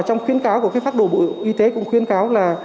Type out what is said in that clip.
các bác sĩ khuyến cáo của phát đồ bộ y tế cũng khuyến cáo là